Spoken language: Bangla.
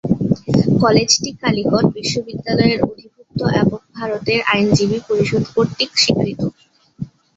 কলেজটি কালিকট বিশ্ববিদ্যালয়ের অধিভুক্ত এবং ভারতের আইনজীবী পরিষদ কর্তৃক স্বীকৃত।